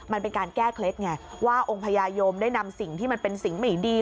มันเป็นการแก้เคล็ดไงว่าองค์พญายมได้นำสิ่งที่มันเป็นสิ่งไม่ดี